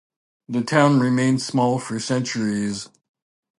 The town remained small for centuries.